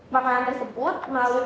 makanan tersebut melalui